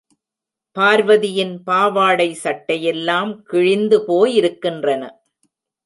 பார்வதியின் பாவாடை சட்டையெல்லாம் கிழிந்து போயிருக்கின்றன.